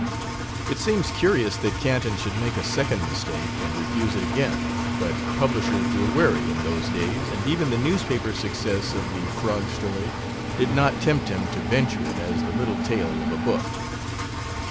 It seems curious that Canton should make a second mistake and refuse it again, but publishers were wary in those days, and even the newspaper success of the Frog story did not tempt him to venture it as the title tale of a book.